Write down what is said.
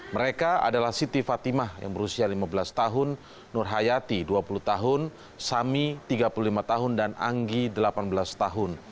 mereka adalah siti fatimah yang berusia lima belas tahun nur hayati dua puluh tahun sami tiga puluh lima tahun dan anggi delapan belas tahun